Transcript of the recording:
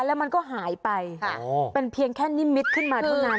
แล้วมันก็หายไปเป็นเพียงแค่นิมิตรขึ้นมาเท่านั้น